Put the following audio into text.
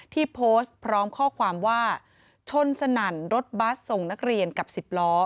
ที่โพสต์พร้อมข้อความว่าชนสนั่นรถบัสส่งนักเรียนกับ๑๐ล้อ